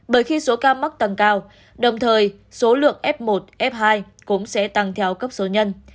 bởi khi số ca mắc tăng cao đồng thời số lượng f một f hai cũng sẽ tăng theo cấp số nhân